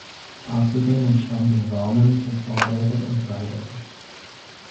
Außerdem entstanden Rahmen für Fahrräder und Dreiräder.